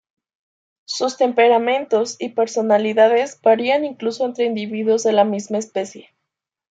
Sus temperamentos y personalidades varían incluso entre individuos de la misma especie.